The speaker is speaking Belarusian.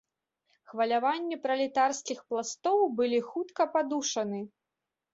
Хваляванні пралетарскіх пластоў былі хутка падушаны.